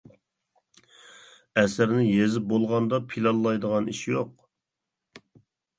ئەسەرنى يېزىپ بولغاندا پىلانلايدىغان ئىش يوق.